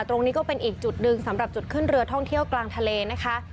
ก็เป็นอีกจุดหนึ่งสำหรับจุดขึ้นเรือท่องเที่ยวกลางทะเลนะคะ